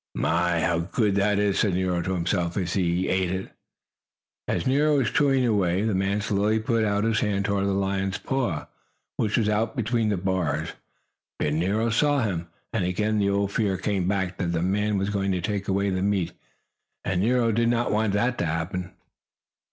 "My, how good that is!" said Nero to himself, as he ate it. As Nero was chewing away, the man slowly put out his hand toward the lion's paw, which was out between the bars. But Nero saw him, and again the old fear came back that the man was going to take away the meat, and Nero did not want that to happen.